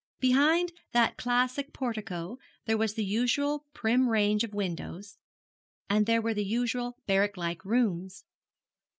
Behind that classic portico there was the usual prim range of windows, and there were the usual barrack like rooms.